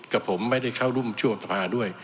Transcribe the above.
กับผมไม่ได้เข้าร่วมช่วงสภาด้วย